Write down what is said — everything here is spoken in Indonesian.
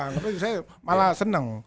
maksudnya saya malah seneng